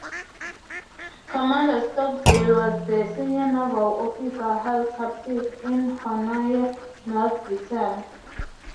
Commander Stockdale was the senior naval officer held captive in Hanoi, North Vietnam.